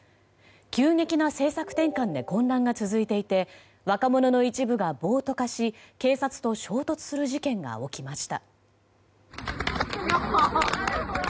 急激な政策転換で混乱が続いていて若者の一部が暴徒化し、警察と衝突する事件が起きました。